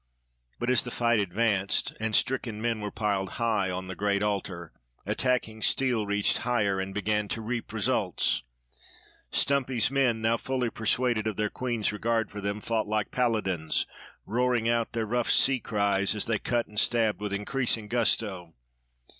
But as the fight advanced, and stricken men were piled high on the great altar, attacking steel reached higher and began to reap results. Stumpy's men, now fully persuaded of their queen's regard for them, fought like paladins, roaring out their rough sea cries as they cut and stabbed with increasing gusto.